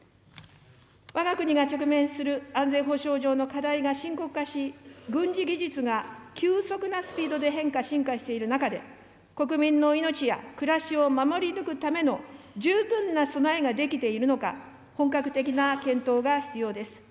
わが国が直面する安全保障上の課題が深刻化し、軍事技術が急速なスピードで変化・進化している中で、国民の命や暮らしを守り抜くための十分な備えができているのか、本格的な検討が必要です。